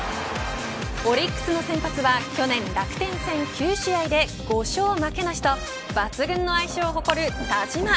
オリックスの先発は去年、楽天戦９試合で５勝負けなしと抜群の相性を誇る田嶋。